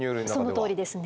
そのとおりですね。